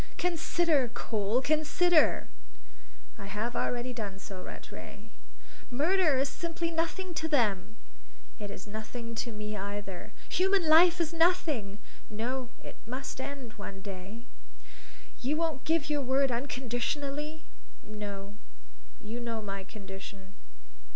"Consider, Cole, consider!" "I have already done so, Rattray." "Murder is simply nothing to them!" "It is nothing to me either." "Human life is nothing!" "No; it must end one day." "You won't give your word unconditionally?" "No; you know my condition."